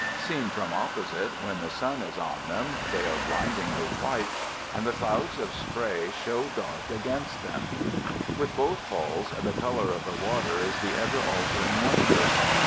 Seen from opposite, when the sun is on them, they are blindingly white, and the clouds of spray show dark against them. With both Falls the color of the water is the ever altering wonder.